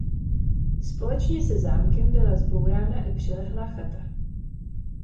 Společně se zámkem byla zbourána i přilehlá chata.